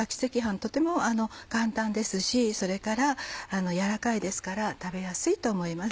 とても簡単ですしそれから軟らかいですから食べやすいと思います。